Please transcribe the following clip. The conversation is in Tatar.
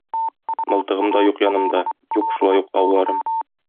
Мылтыгым да юк янымда, юк шулай ук ауларым.